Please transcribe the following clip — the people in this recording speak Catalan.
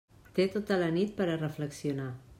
Té tota la nit per a reflexionar.